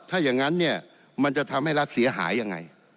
ถ้าอย่างนั้นเนี่ยมันจะทำให้รัฐเสียหายยังไง